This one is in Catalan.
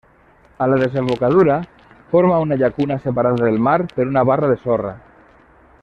A la desembocadura forma una llacuna separada del mar per una barra de sorra.